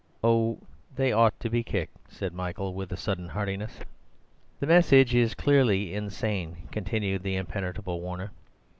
"Oh, they ought to be kicked," said Michael with sudden heartiness. "The message is clearly insane," continued the impenetrable Warner.